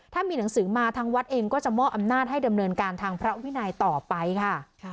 ถ้ามีหนังสือมาทางวัดเองก็จะมอบอำนาจให้ดำเนินการทางพระวินัยต่อไปค่ะ